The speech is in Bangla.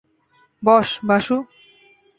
বস, বাসু!